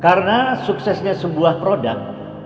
karena suksesnya sebuah produk